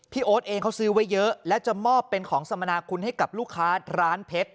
โอ๊ตเองเขาซื้อไว้เยอะและจะมอบเป็นของสมนาคุณให้กับลูกค้าร้านเพชร